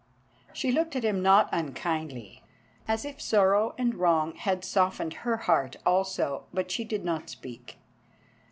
She looked at him not unkindly, as if sorrow and wrong had softened her heart also, but she did not speak.